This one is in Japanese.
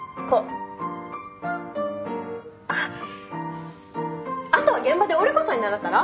あっあとは現場で織子さんに習ったら？